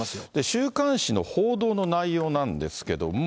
週刊誌の報道の内容なんですけども。